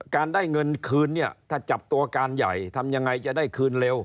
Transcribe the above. การได้เงินคืนเนี่ยถ้าจับตัวการใหญ่ทำยังไงจะได้คืนเร็ว